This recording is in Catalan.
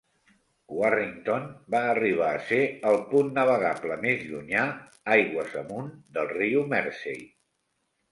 Warrington va arribar a ser el punt navegable més llunyà aigües amunt del riu Mersey.